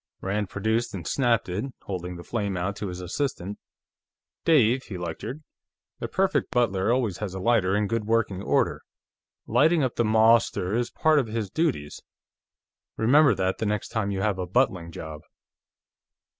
Rand produced and snapped it, holding the flame out to his assistant. "Dave," he lectured, "the Perfect Butler always has a lighter in good working order; lighting up the mawster is part of his duties. Remember that, the next time you have a buttling job."